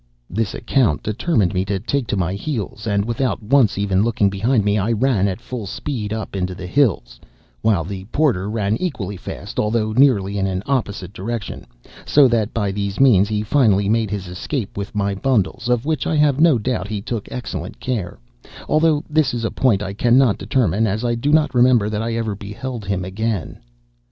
"This account determined me to take to my heels, and, without once even looking behind me, I ran at full speed up into the hills, while the porter ran equally fast, although nearly in an opposite direction, so that, by these means, he finally made his escape with my bundles, of which I have no doubt he took excellent care—although this is a point I cannot determine, as I do not remember that I ever beheld him again.